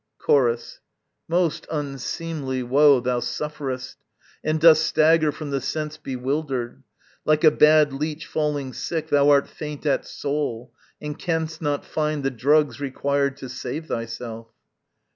Chorus. Most unseemly woe Thou sufferest, and dost stagger from the sense Bewildered! like a bad leech falling sick Thou art faint at soul, and canst not find the drugs Required to save thyself.